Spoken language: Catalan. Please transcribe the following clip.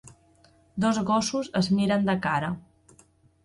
Dos gossos es miren de cara